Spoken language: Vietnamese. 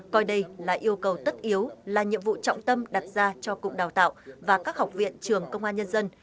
coi đây là yêu cầu tất yếu là nhiệm vụ trọng tâm đặt ra cho cục đào tạo và các học viện trường công an nhân dân